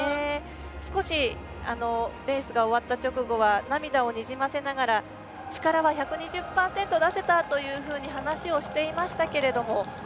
少し、レースが終わった直後は涙をにじませながら力は１２０％出せたというふうに話をしていましたけど。